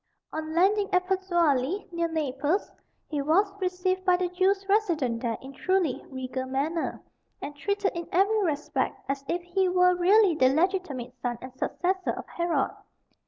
On landing at Pozzuoli, near Naples, he was received by the Jews resident there in truly regal manner, and treated in every respect as if he were really the legitimate son and successor of Herod.